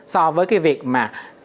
so với cái việc mà